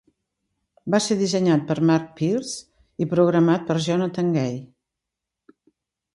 Va ser dissenyat per Mark Pierce i programat per Jonathan Gay.